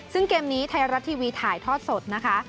ซึ่งเกมนี้ไทยรัฐทีวีถ่ายทอดสดนะคะ